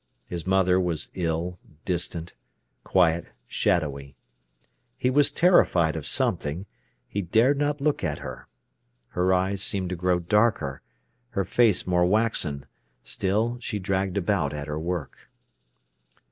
His mother was ill, distant, quiet, shadowy. He was terrified of something; he dared not look at her. Her eyes seemed to grow darker, her face more waxen; still she dragged about at her work.